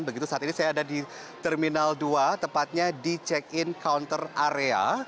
begitu saat ini saya ada di terminal dua tepatnya di check in counter area